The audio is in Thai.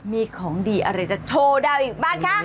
มีของดีอะไรจะโชว์ดาวอีกบ้างคะ